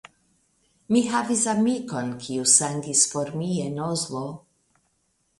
Mi havis amikon, kiu sangis por mi en Oslo.